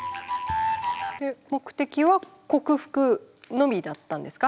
えっ目的は克服のみだったんですか？